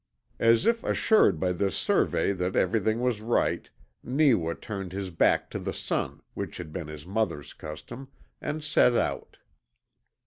As if assured by this survey that everything was right, Neewa turned his back to the sun, which had been his mother's custom, and set out.